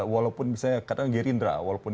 walaupun misalnya kadang gerindra walaupun